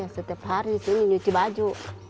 setiap hari di sini nyuci baju